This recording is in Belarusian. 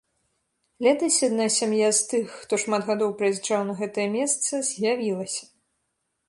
Летась адна сям'я з тых, хто шмат гадоў прыязджаў на гэтае месца, з'явілася.